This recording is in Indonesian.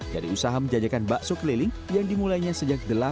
jadi usaha menjajakan bakso keliling yang dimulainya sejak dua ribu delapan